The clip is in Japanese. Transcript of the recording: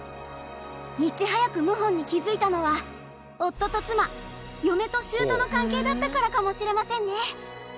いち早く謀反に気づいたのは夫と妻嫁と舅の関係だったからかもしれませんね。